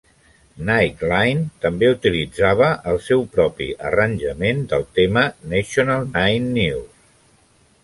"Nightline" també utilitzava el seu propi arranjament del tema "National Nine News".